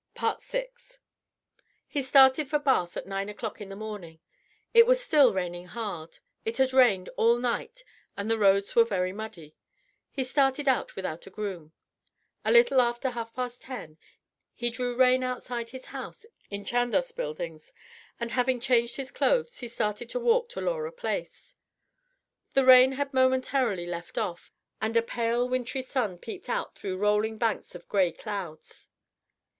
VI He started for Bath at nine o'clock in the morning. It was still raining hard. It had rained all night and the roads were very muddy. He started out without a groom. A little after half past ten, he drew rein outside his house in Chandos Buildings, and having changed his clothes he started to walk to Laura Place. The rain had momentarily left off, and a pale wintry sun peeped out through rolling banks of grey clouds.